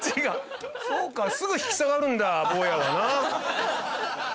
そうかすぐ引き下がるんだ坊やはな。